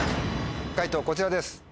解答こちらです。